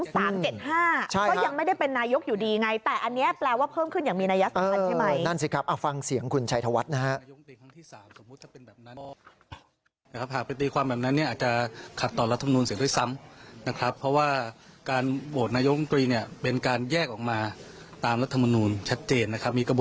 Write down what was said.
๕ก็ยังไม่ได้เป็นนายกอยู่ดีไงแต่อันนี้แปลว่าเพิ่มขึ้นอย่างมีนายศาสตร์ใช่ไหม